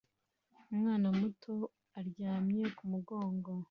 Umwana muto aryamye ku mugongo